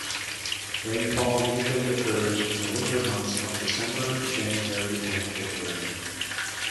Rainfall usually occurs in the winter months of December, January and February.